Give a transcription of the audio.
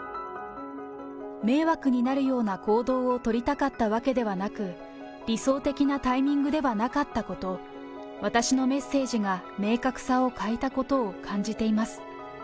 迷惑になるような行動を取りたかったわけではなく、理想的なタイミングではなかったこと、私のメッセージが明確さを欠いたことを感じています。